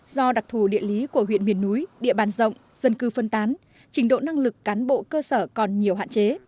do đặc thù địa lý của huyện miền núi địa bàn rộng dân cư phân tán trình độ năng lực cán bộ cơ sở còn nhiều hạn chế